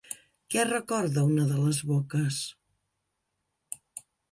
Què recorda una de les boques?